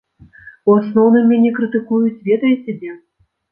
У асноўным мяне крытыкуюць ведаеце дзе?